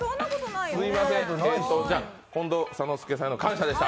近藤房之助さんへの感謝でした。